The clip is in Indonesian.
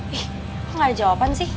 eh kok gak ada jawaban sih